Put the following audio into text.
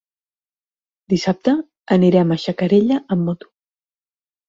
Dissabte anirem a Xacarella amb moto.